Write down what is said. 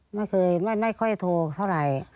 ไม่ค่อยไม่ค่อยโทรเท่าไหร่